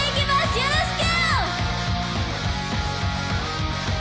よろしく！